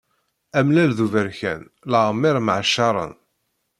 Amellal d uberkan leɛmeṛ mɛacaṛen.